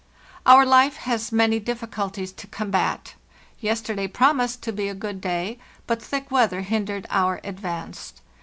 Our life has many difficulties to combat. Yesterday promised to be a good day, but thick weather hindered our ad vance.